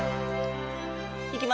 いきますよ